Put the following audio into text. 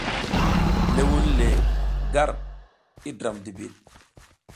Ləh wun le gar i dram dibid.